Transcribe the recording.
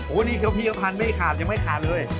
อันนี้เขียวพีชภัณฑ์ไม่ขาดยังไม่ขาดเลย